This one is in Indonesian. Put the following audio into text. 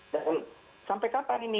dan sampai kapan ini